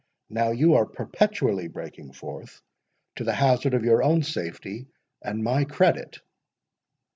Now, you are perpetually breaking forth, to the hazard of your own safety and my credit."